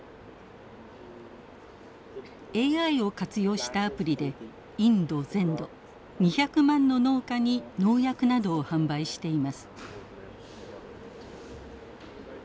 ＡＩを活用したアプリでインド全土２００万の農家に農薬などを販売しています。